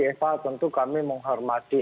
eva tentu kami menghormati